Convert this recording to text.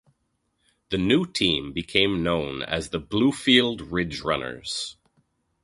The new team became known as the Bluefield Ridge Runners.